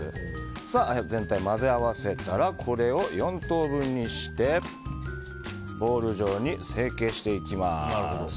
さあ、全体混ぜ合わせたらこれを４等分にしてボウル状に成型していきます。